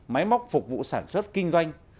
máy móc phục vụ sản xuất kinh doanh